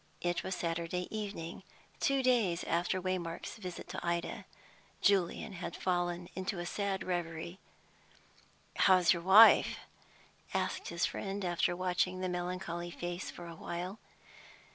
It was Saturday evening two days after Waymark's visit to Ida. Julian had fallen into a sad reverie. "How is your wife?" asked his friend, after watching the melancholy face for a while.